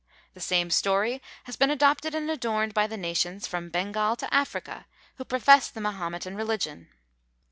The same story has been adopted and adorned by the nations, from Bengal to Africa, who profess the Mahometan religion.